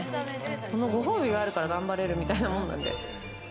このご褒美があるから頑張れるみたいなもんなんで。